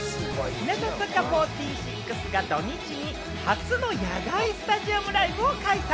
日向坂４６が土日に初の野外スタジアムライブを開催。